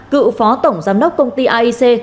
cựu phó tổng giám đốc công ty aic